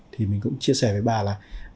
thì mình cũng chia sẻ với bà là